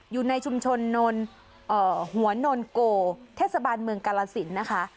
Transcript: อยู่ในชุมชนหัวโนนโกเทศบาลเมืองกาลสินนะคะ